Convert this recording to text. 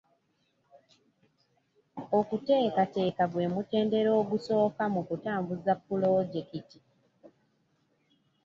Okuteekateeka gwe mutendera ogusooka mu kutambuza pulojekiti.